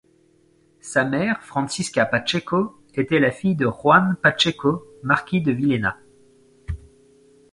Sa mère Francisca Pacheco était la fille de Juan Pacheco marquis de Villena.